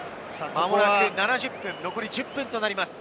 まもなく７０分、残り１０分となります。